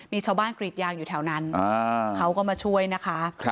มีชาวบ้านกรีดยางอยู่แถวนั้นเขาก็มาช่วยนะคะ